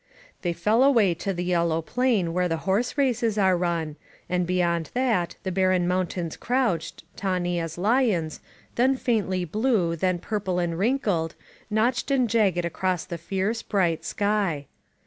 They fell away to the yellow plain where the horse races are run, and beyond that the barren mountains crouched, tawny as lions, then faintly blue, then purple and wrinkled, notched and jagged across the fierce, bright sky.